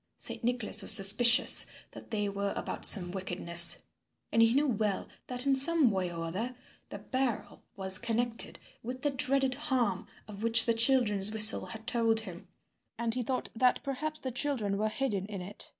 Saint Nicholas was suspicious that they were about some wickedness, and he knew well that in some way or other the barrel was connected with the dreaded harm of which the children's whistle had told him, and he thought that perhaps the children were hidden in it.